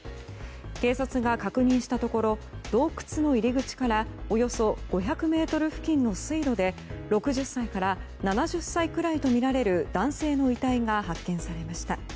警察が確認したところ洞窟の入り口からおよそ５００ｍ付近の水路で６０歳から７０歳くらいとみられる男性の遺体が発見されました。